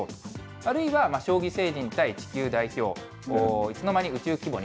あるいは将棋星人対地球代表、いつのまに宇宙規模に？